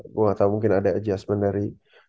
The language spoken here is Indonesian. gue gak tau mungkin ada adjustment dari